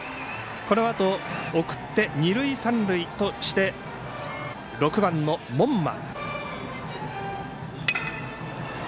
このあと、送って二塁、三塁として６番の門間。